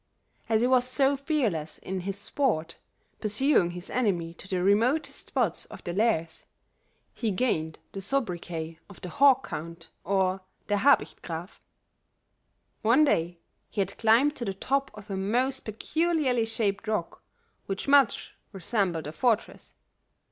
As he was so fearless in this sport, pursuing his enemy to the remotest spots of their lairs, he gained the sobriquet of the 'Hawk Count' or Der Habicht Graf. "One day he had climbed to the top of a most peculiarly shaped rock, which much resembled a fortress.